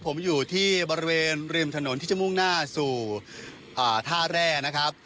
ผมอยู่ที่บริเวณริมถนนที่จะมุ่งหน้าสู่ท่าแร่นะครับ